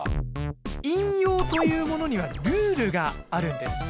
引用というものにはルールがあるんです。